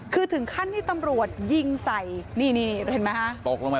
คือถึงขั้นที่ตำรวจยิงใส่นี่เห็นมั้ยฮะ